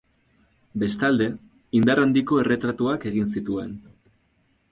Bestalde, indar handiko erretratuak egin zituen.